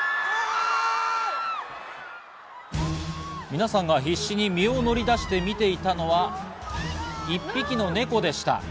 皆さんが必死に身を乗り出して見ていたのは、１匹のネコでした。